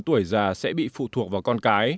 tuổi già sẽ bị phụ thuộc vào con cái